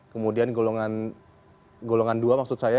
kemudian golongan dua maksud saya